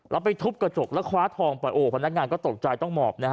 แล้วไปทุบกระจกแล้วคว้าทองไปโอ้พนักงานก็ตกใจต้องหมอบนะฮะ